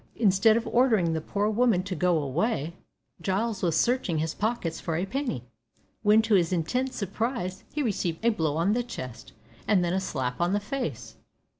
Instead of ordering the poor woman to go away, Giles was searching his pockets for a penny, when to his intense surprise he received a blow on the chest, and then a slap on the face!